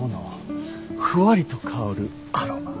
ふわりと香るアロマ。